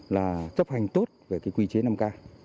là chấp hành tốt về cái quy chế năm k